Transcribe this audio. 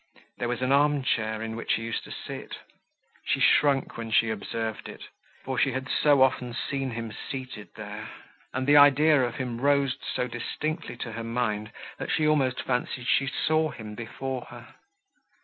There was an arm chair, in which he used to sit; she shrunk when she observed it, for she had so often seen him seated there, and the idea of him rose so distinctly to her mind, that she almost fancied she saw him before her.